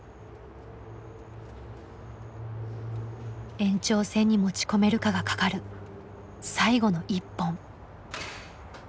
延長戦に持ち込めるかがかかる最後の１本。